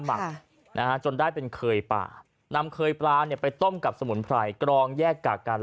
หมักนะฮะจนได้เป็นเคยปลานำเคยปลาเนี่ยไปต้มกับสมุนไพรกรองแยกกากกัน